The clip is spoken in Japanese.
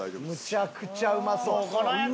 むちゃくちゃうまそう。